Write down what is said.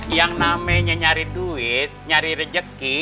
yang namanya nyari duit nyari rejeki